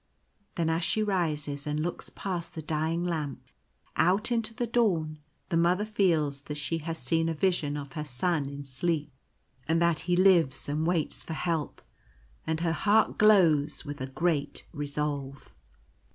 Then as she rises and looks past the dying lamp out into the dawn, the Mother feels that she has seen a vision of her son in sleep, and that he lives and waits for help ; and her heart glows with a great resolve.